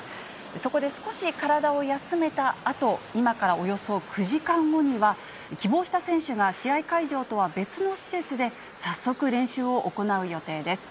そこで少し体を休めたあと、今からおよそ９時間後には、希望した選手が試合会場とは別の施設で早速、練習を行う予定です。